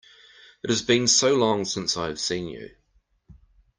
It has been so long since I have seen you!